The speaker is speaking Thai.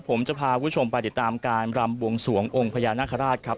ผมจะพาคุณผู้ชมไปติดตามการรำบวงสวงองค์พญานาคาราชครับ